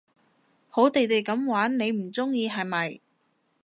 好地地噉玩你唔中意係咪？